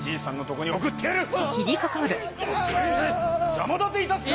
邪魔立ていたすか！